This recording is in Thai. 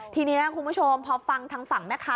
ทีนี้คุณผู้ชมพอฟังทางฝั่งแม่ค้า